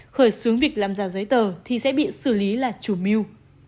khởi xướng việc làm giả giấy tờ thì sẽ bị xử lý là chủ mưu